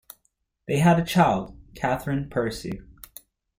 They had a child, Catherine Percy.